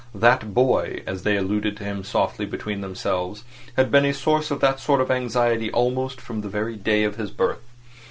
"That boy," as they alluded to him softly between themselves, had been a source of that sort of anxiety almost from the very day of his birth.